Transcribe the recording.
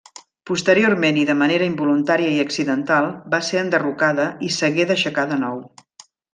Posteriorment i de manera involuntària i accidental va ser enderrocada i s'hagué d'aixecar de nou.